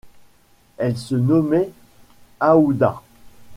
Elle se nommait Aouda.